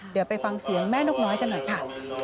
เดี๋ยวไปฟังเสียงแม่นกน้อยกันหน่อยค่ะ